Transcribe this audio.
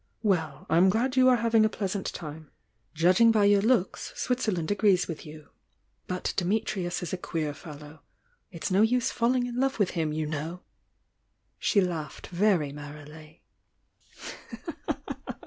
"Well, I'm glad you are having a pleasant time. Judging by your looks, Switzerland agrees with you. But Dimitrius is a queer fellow. It's no use falling in love with him, you know!" Sh: laughed very merrily.